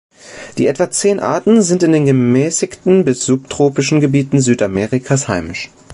Die etwa zehn Arten sind in den gemäßigten bis subtropischen Gebieten Südamerikas heimisch.